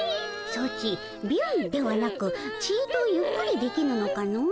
ソチビュンではなくちとゆっくりできぬのかの？